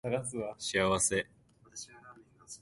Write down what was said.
幸せ